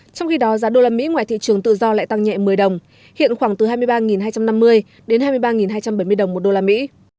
trong khi đó giá đô la mỹ ngoài thị trường tự do lại tăng nhẹ một mươi đồng hiện khoảng từ hai mươi ba hai trăm năm mươi đến hai mươi ba hai trăm bảy mươi đồng một đô la mỹ